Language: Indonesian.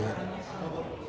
jangan terlalu berdramatisir